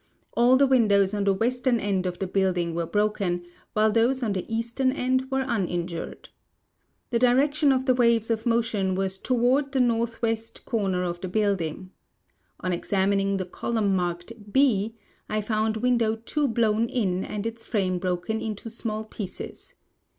All the windows on the western end of the building were broken, while those on the eastern end were uninjured. The direction of the waves of mo tion was toward the northwest corner of the building. On exam ining the column marked 6, I found window 2 blown in and its frame broken into small pieces.